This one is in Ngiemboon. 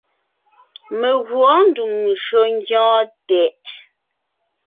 Meguɔ ée ndùm njÿó ńgyɔ́ɔn tɛʼ.